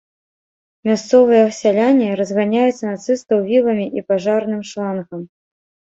Мясцовыя сяляне разганяюць нацыстаў віламі і пажарным шлангам.